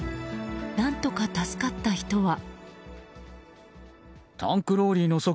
何とか助かった人は。